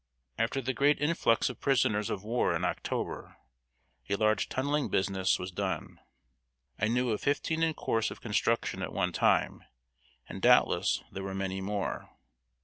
After the great influx of prisoners of war in October, a large tunneling business was done. I knew of fifteen in course of construction at one time, and doubtless there were many more.